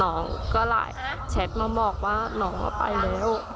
น้องก็ไลน์แชทมาบอกว่าน้องเขาไปแล้ว